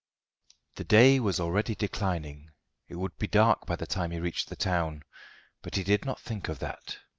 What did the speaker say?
The day was already declining; it would be dark by the time he reached the town. But he did not think of that.